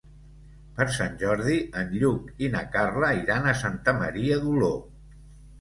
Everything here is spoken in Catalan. Per Sant Jordi en Lluc i na Carla iran a Santa Maria d'Oló.